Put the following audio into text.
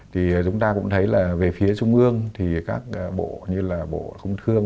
thì chúng ta cũng thấy là về phía trung ương thì các bộ như là bộ công thương